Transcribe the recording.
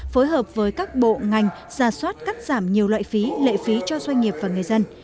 phối hợp với các bộ ngành ra soát cắt giảm nhiều loại phí lệ phí cho doanh nghiệp và người dân